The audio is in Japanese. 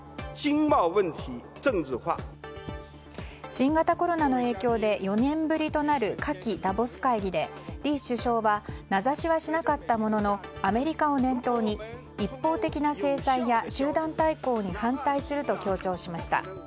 新型コロナの影響で４年ぶりとなる夏季ダボス会議で、李首相は名指しはしなかったもののアメリカを念頭に一方的な制裁や集団対抗に反対すると強調しました。